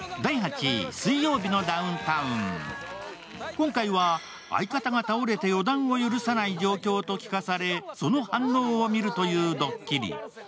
今回は相方が倒れて予断を許さない状況と聞かされその反応を見るというドッキリ。